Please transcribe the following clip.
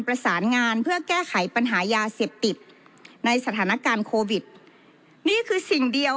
ประสานงานเพื่อแก้ไขปัญหายาเสพติดในสถานการณ์โควิดนี่คือสิ่งเดียว